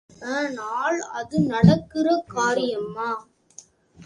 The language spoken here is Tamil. ஆனால் அது நடக்கிற காரியமா?